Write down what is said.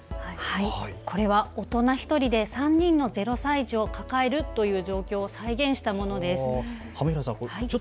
これは大人１人で３人の０歳児を抱えるという状況を再現したものです。